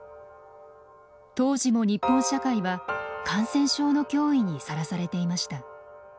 当時も日本社会は感染症の脅威にさらされていました。